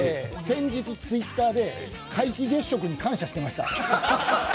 先日Ｔｗｉｔｔｅｒで皆既月食に感謝してました。